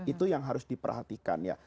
itu yang harus diperhatikan ya